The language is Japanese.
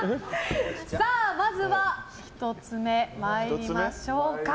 まずは１つ目参りましょうか。